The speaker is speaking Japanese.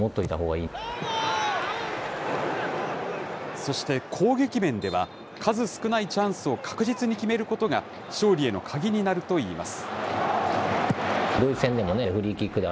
そして攻撃面では、数少ないチャンスを確実に決めることが、勝利への鍵になるといいます。